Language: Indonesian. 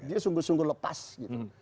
dia sungguh sungguh lepas gitu